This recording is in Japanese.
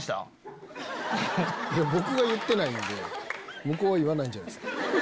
僕が言ってないんで向こうは言わないんじゃないですか？